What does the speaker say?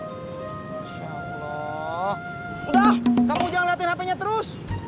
udah kamu jangan liatin hpnya terus